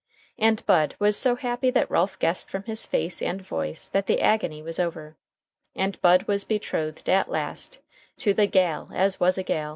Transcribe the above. And Bud was so happy that Ralph guessed from his face and voice that the agony was over, and Bud was betrothed at last to the "gal as was a gal."